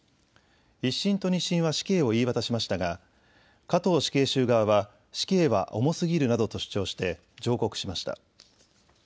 １審と２審は死刑を言い渡しましたが加藤死刑囚側は死刑は重すぎるなどと主張して上告しました。